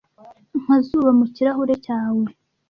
nka zuba mu kirahure cyawe